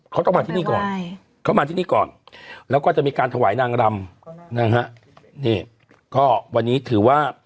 เขาต้องมาที่นี่ก่อนเขามาที่นี่ก่อนแล้วก็จะมีการถวายนางรำนะฮะนี่ก็วันนี้ถือว่า